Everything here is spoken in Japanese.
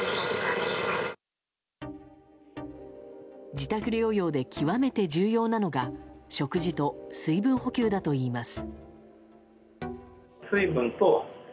自宅療養で極めて重要なのが食事と水分補給だといいます。